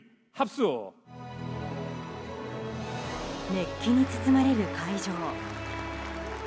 熱気に包まれる会場。